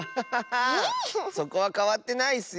そこはかわってないッスよ！